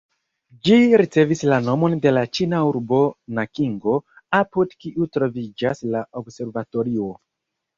Ĝi ricevis la nomon de la ĉina urbo Nankingo, apud kiu troviĝas la observatorio.